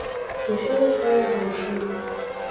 Усё за свае грошы.